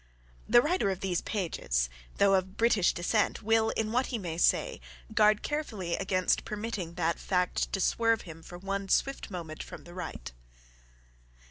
The writer of these pages, though of British descent, will, in what he may say, guard carefully against permitting that fact to swerve him for one swift moment from the right.